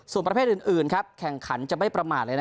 ส่วนประเภทอื่นแข่งขันจะไม่ประมาทเลย